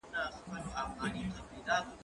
زه باید کار وکړم!؟